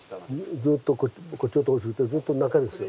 ずっとこっちのとこずっと中ですよ。